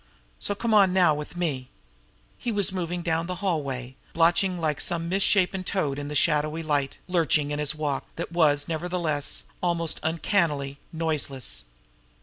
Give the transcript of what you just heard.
So, come on now with me." He was moving down the hallway, blotching like some misshapen toad in the shadowy light, lurching in his walk, that was, nevertheless, almost uncannily noiseless.